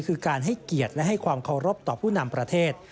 คือการให้เกียรติและให้ความเคารพต่อผู้นำประเทศ